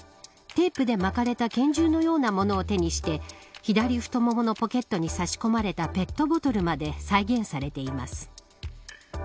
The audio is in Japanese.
テープで巻かれた拳銃のようなものを手にして左太もものポケットに差し込まれたペットボトルまで再現されています。